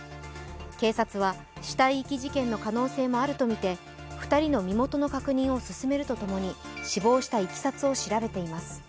警察は死体遺棄事件の可能性もあると見て２人の身元の確認を進めるとともに死亡したいきさつを調べています。